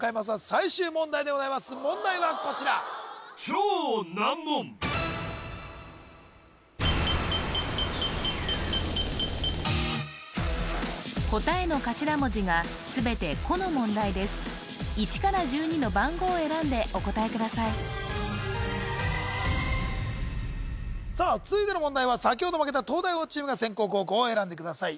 最終問題でございます問題はこちら１から１２の番号を選んでお答えくださいさあ続いての問題は先ほど負けた東大王チームが先攻・後攻を選んでください